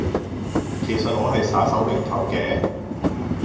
其實我係耍手擰頭嘅